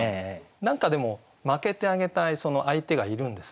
何かでも負けてあげたい相手がいるんですね。